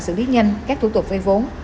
xử lý nhanh các thủ tục vây vốn